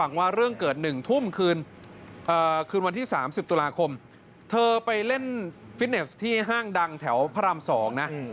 คืนวันที่๓๐ตุลาคมเธอไปเล่นฟิตเนสที่ห้างดังแถวพร่ำ๒นะ